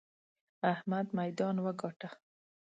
احمد ميدان وګاټه!